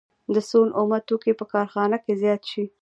د سون اومه توکي په کارخانه کې زیات شي